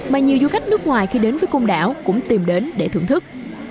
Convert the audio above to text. mà nhiều du khách nước ngoài khi đến với côn đảo cũng tìm đến để thưởng thức